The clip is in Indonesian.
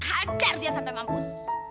ajar dia sampai mampus